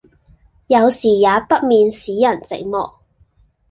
有時也不免使人寂寞，